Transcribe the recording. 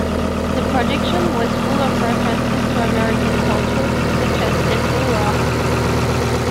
The production was full of references to American culture, such as Andy Warhol.